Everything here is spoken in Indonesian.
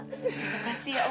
terima kasih ya allah